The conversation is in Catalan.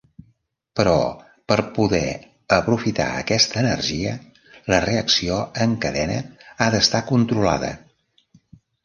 Però, per poder aprofitar aquesta energia, la reacció en cadena ha d'estar controlada.